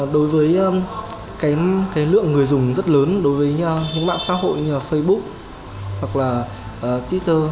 đối với lượng người dùng rất lớn đối với những mạng xã hội như là facebook hoặc là twitter